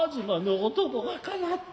お供がかなった。